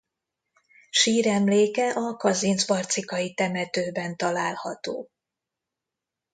Síremléke a kazincbarcikai temetőben található.